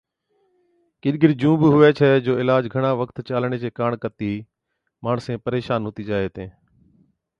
ڪِڏ ڪِڏ جُون بِي هُوَي ڇَي جو عِلاج گھڻا وقت چالڻي چي ڪاڻ ڪتِي ماڻسين پريشان هُتِي جائي هِتين،